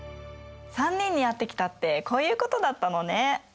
３人に会ってきたってこういうことだったのね！